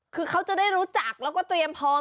คือเขาจะได้รู้จักแล้วก็เตรียมพร้อม